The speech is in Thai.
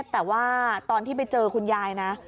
แต่ว่าตอนที่ไปเจอคุณยายนะ